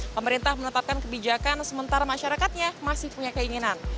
pemerintah menetapkan kebijakan sementara masyarakatnya masih punya keinginan